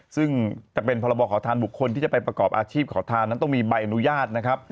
ซึ่งจะเป็นพรบขอทานบุคคลที่จะไปประกอบอาชีพขอทานนั้นต้องมีใบอนุญาตนะครับ